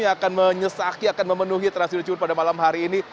yang akan menyesaki akan memenuhi trans studio cibubur pada malam hari ini